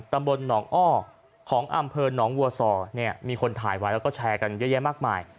ตำบลหนองอ้อของอำเภอหนองวัวซอเนี่ยมีคนถ่ายไว้แล้วก็แชร์กันเยอะแยะมากมาย